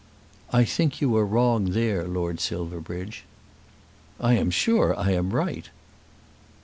"I think you are wrong there, Lord Silverbridge." "I am sure I am right."